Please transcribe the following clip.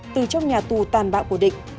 từ trong nhà tù tàn bạo của định